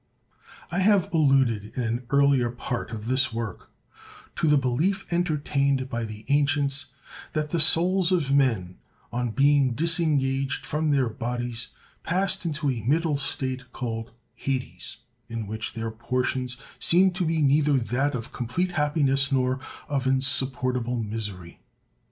I have alluded, in an earlier part of this work, to the belief entertained by the ancients that the souls of men, on being disengaged from the bodies, passed into a middle state, called Hades, in which their portions seemed to be neither that of complete happiness nor of insupportable misery.